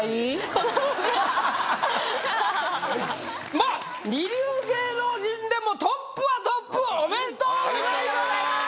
まあ二流芸能人でもトップはトップおめでとうございます！